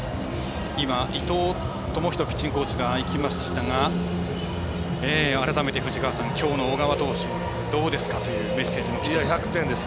今伊藤智仁ピッチングコーチが行きましたが改めて、きょうの小川投手どうですか？というメッセージきています。